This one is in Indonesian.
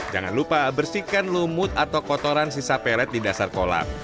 jangan lupa bersihkan lumut atau kotoran sisa peret di dasar kolam